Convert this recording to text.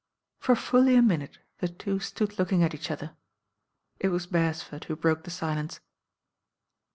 For fully a minute the two stood looking at each other. It was Beresford who broke the silence.